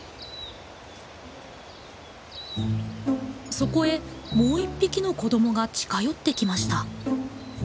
そこへもう１匹の子どもが近寄ってきました。